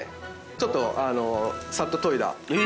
ちょっとさっとといだ。え！